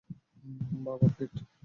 বাবা, পিট!